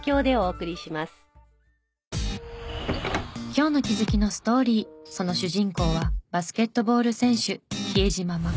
今日の気づきのストーリーその主人公はバスケットボール選手比江島慎。